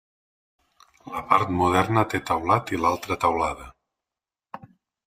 La part moderna té teulat i l'altra teulada.